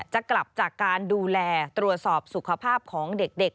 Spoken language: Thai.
จะกลับจากการดูแลตรวจสอบสุขภาพของเด็ก